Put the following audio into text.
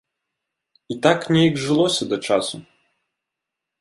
І так нейк жылося да часу.